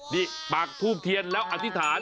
นี่ปากทูบเทียนแล้วอธิษฐาน